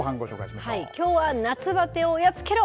きょうは夏バテをやっつけろ！